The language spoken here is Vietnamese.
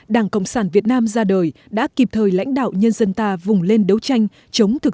đảng cộng sản việt nam ra đời đã kịp thời lãnh đạo nhân dân ta vùng lên đấu tranh chống thực